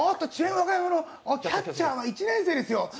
和歌山のキャッチャー１年生ですよ